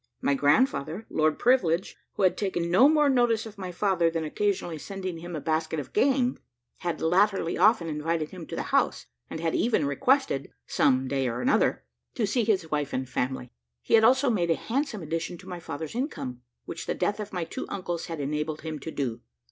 My grandfather, Lord Privilege, who had taken no more notice of my father than occasionally sending him a basket of game, had latterly often invited him to the house, and had even requested some day or another to see his wife and family. He had also made a handsome addition to my father's income, which the death of my two uncles had enabled him to do.